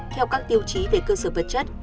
theo các tiêu chí về cơ sở vật chất